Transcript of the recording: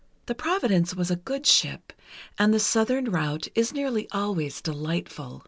The Providence was a good ship, and the Southern route is nearly always delightful.